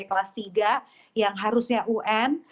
kelas tiga yang harusnya un